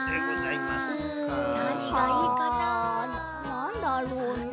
なんだろうな？